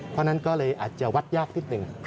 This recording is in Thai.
เพราะฉะนั้นก็เลยอาจจะวัดยากนิดหนึ่ง